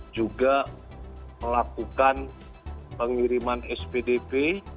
juga melakukan pengiriman spdp